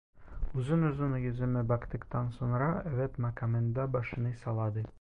Uzun uzun yüzüme baktıktan sonra, "evet" makamında başını salladı.